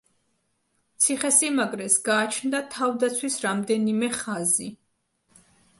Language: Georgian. ციხესიმაგრეს გააჩნდა თავდაცვის რამდენიმე ხაზი.